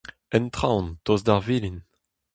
En traoñ, tost d'ar vilin.